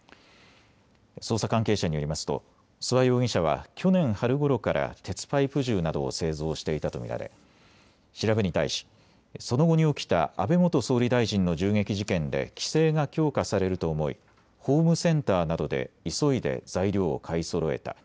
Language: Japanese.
捜査関係者によりますと諏訪容疑者は去年春ごろから鉄パイプ銃などを製造していたと見られ、調べに対し安倍元総理大臣の銃撃事件で規制が強化されると思いホームセンターなどで急いで材料を買いそろえた。